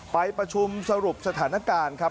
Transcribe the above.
ไปประชุมสรุปสถานการณ์ครับ